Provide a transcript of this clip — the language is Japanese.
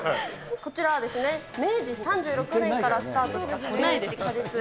こちらはですね、明治３６年からスタートした堀内果実園。